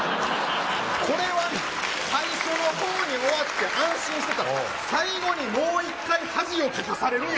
これは、最初のほうに終わって安心してたら、最後にもう一回恥をかかされるんや。